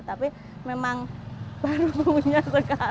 tapi memang baru punya sekarang